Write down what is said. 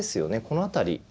この辺り。